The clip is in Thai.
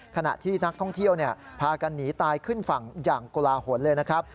ขณะที่นักท่องเที่ยวพากันหนีตายขึ้นฝั่งอย่างกลาหลเลยนะครับ